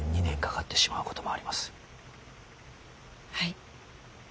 はい。